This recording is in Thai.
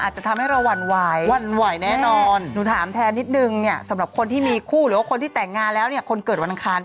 หรือว่าคนที่แต่งงานแล้วเนี่ยคนเกิดวันทางคลาน